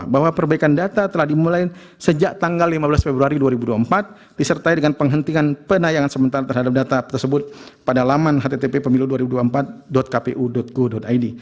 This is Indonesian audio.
bahwa perbaikan data telah dimulai sejak tanggal lima belas februari dua ribu dua puluh empat disertai dengan penghentian penayangan sementara terhadap data tersebut pada laman kttp pemilu dua ribu dua puluh empat kpu go id